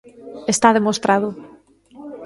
Está demostrado.